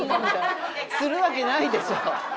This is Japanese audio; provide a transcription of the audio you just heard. するわけないでしょ！